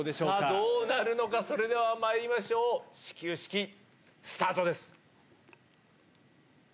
どうなるのか、それではまいりましょう、始球式スタートです。